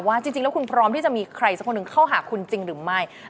จริงแล้วคุณพร้อมที่จะมีใครสักคนหนึ่งเข้าหาคุณจริงหรือไม่